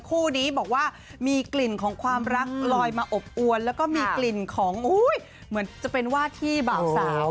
คู่นี้บอกว่ามีกลิ่นของความรักลอยมาอบอวนแล้วก็มีกลิ่นของเหมือนจะเป็นว่าที่บ่าวสาว